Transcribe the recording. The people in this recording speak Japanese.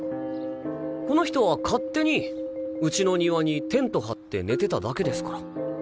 この人は勝手にうちの庭にテント張って寝てただけですから。